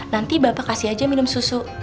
nanti bapak kasih aja minum susu